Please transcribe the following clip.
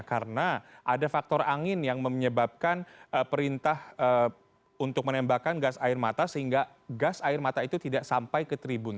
karena ada faktor angin yang menyebabkan perintah untuk menembakkan gas air mata sehingga gas air mata itu tidak sampai ke tribun